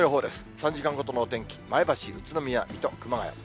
３時間ごとの天気、前橋、宇都宮、水戸、熊谷。